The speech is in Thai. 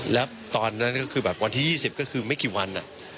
แล้วตอนนั้นก็คือแบบวันที่๒๐ก็คือไม่กี่วัน